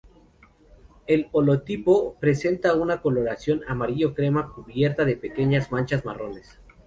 El holotipo presenta una coloración amarillo-crema cubierta de pequeñas manchas marrones.